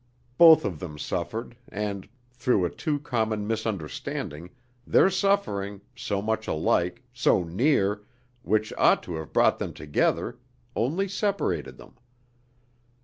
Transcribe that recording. Both of them suffered and, through a too common misunderstanding, their suffering, so much alike, so near, which ought to have brought them together, only separated them.